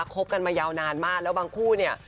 คบกันมายาวนานมากแล้วบางคู่เนี่ย